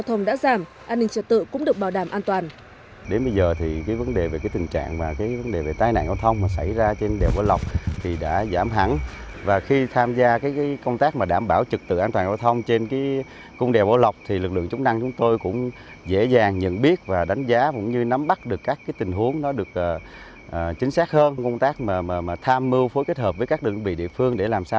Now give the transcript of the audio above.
tai nạn giao thông đã giảm an ninh trật tự cũng được bảo đảm an toàn